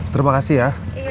terima kasih ya